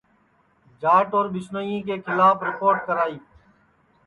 جاٹ اور ٻسنوئیں کے کھلاپ رِپوٹ کرائی